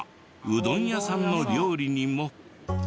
うどん屋さんの料理にも。